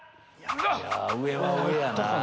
上は上やな。